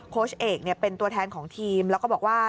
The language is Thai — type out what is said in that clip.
โค้ชเอกเป็นตัวแทนของทีมแล้วก็บอกว่า